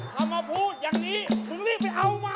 เขามาพูดอย่างนี้ถึงรีบไปเอามา